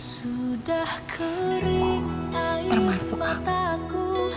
sudah kering air mata aku